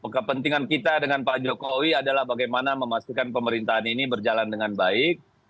kepentingan kita dengan pak jokowi adalah bagaimana memastikan pemerintahan ini berjalan dengan baik